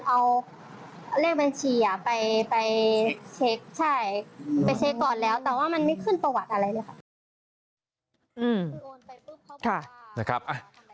เอาเรียกบัญชีไปเช็คก่อนแล้วแต่ว่ามันไม่ขึ้นประวัติอะไรเลยค่ะ